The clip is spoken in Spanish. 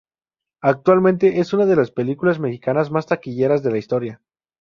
Actualmente, es una de las películas mexicanas más taquilleras de la historia.